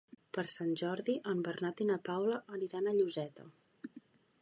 Per Sant Jordi en Bernat i na Paula aniran a Lloseta.